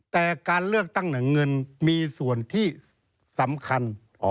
แต่การเลือกตั้งหนังเงินมีส่วนที่สำคัญ